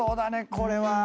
これは。